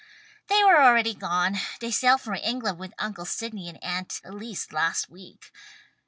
"They are already gone. They sailed for England with Uncle Sydney and Aunt Elise last week.